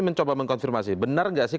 mencoba mengkonfirmasi benar nggak sih